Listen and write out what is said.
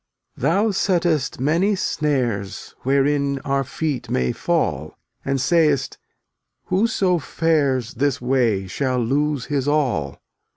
296 Thou settest many snares Wherein our feet may fall, And sayest: "Whoso fares This way shall lose his all."